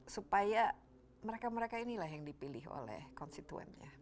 supaya mereka mereka inilah yang dipilih oleh konstituennya